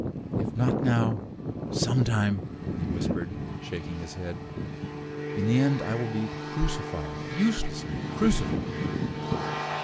"If not now, sometime," he whispered, shaking his head. "In the end I will be crucified, uselessly crucified."